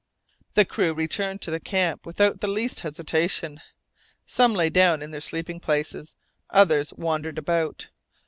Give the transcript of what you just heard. The crew returned to the camp without the least hesitation. Some lay down in their sleeping places, others wandered about.